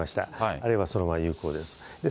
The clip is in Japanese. あるいはそれは有効です。